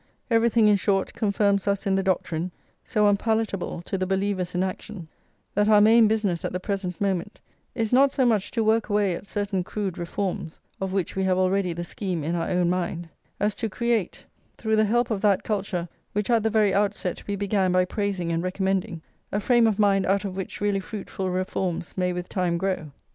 Everything, in short, confirms us in the doctrine, so unpalatable to the believers in action, that our main business at the present moment is not so much to work away at certain crude reforms of which we have already the scheme in our own mind, as to create, through the help of that culture which at the very outset we began by praising and recommending, a frame of mind out of which really fruitful reforms may with time grow.